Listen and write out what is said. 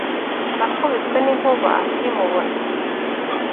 nakubiswe ninkuba nkimubona